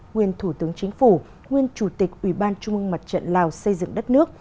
nguyên thủ tướng chính phủ nguyên chủ tịch ủy ban trung ương mặt trận lào xây dựng đất nước